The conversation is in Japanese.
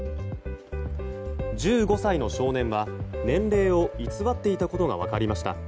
１５歳の少年は年齢を偽っていたことが分かりました。